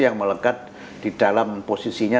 yang melekat di dalam posisinya